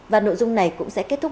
và nội dung này cũng sẽ kết thúc